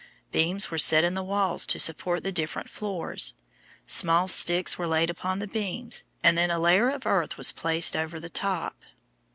Beams were set in the walls to support the different floors. Smaller sticks were laid upon the beams, and then a layer of earth was placed over the top.